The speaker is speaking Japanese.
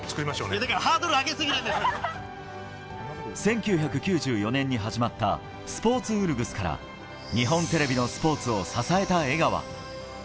１９９４年に始まった「スポーツうるぐす」から日本テレビのスポーツを支えた江川。